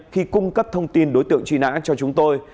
khi cung cấp thông tin đối tượng truy nã cho chúng tôi